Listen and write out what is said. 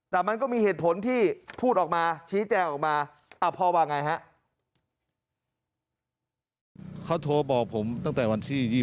แต่มันก็มีเหตุผลที่พูดออกมาชี้แจ้งออกมา